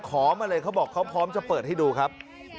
ขอมาเลยเขาบอกเขาพร้อมจะเปิดให้ดูครับ